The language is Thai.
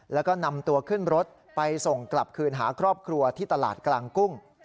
แล้วก็นำตัวขึ้นรถไปส่งกลับคืนหาครอบครัวที่ตลาดกลางกุ้ง